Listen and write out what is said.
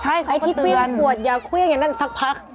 ใช่เขาก็เตือนไอ้ที่เครื่องขวดอย่าเครื่องอย่างนั้นสักพัก